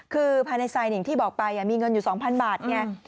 คือภายในไซน์อย่างที่บอกไปมีเงินอยู่๒๐๐บาทไง